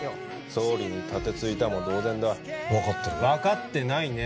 総理に盾突いたも同然だ分かってる分かってないね